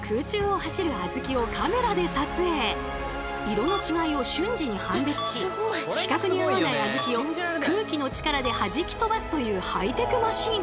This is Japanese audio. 色の違いを瞬時に判別し規格に合わないあずきを空気の力ではじき飛ばすというハイテクマシン！